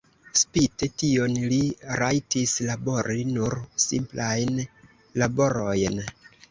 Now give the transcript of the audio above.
Spite tion li rajtis labori nur simplajn laborojn.